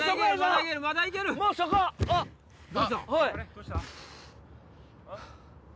どうした？